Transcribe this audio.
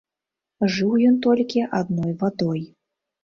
Жыў ён толькі адной вадой.